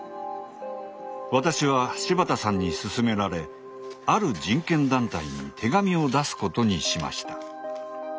私は柴田さんにすすめられある人権団体に手紙を出すことにしました。